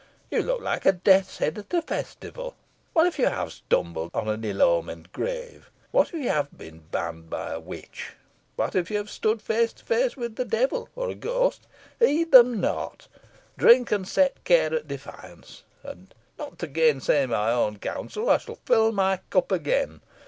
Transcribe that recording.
You look like a death's head at a festival. What if you have stumbled on an ill omened grave! What if you have been banned by a witch! What if you have stood face to face with the devil or a ghost! Heed them not! Drink, and set care at defiance. And, not to gainsay my own counsel, I shall fill my cup again.